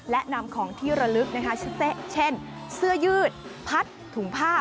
และนำของที่ระลึกเช่นเสื้อยืดพัดถุงผ้า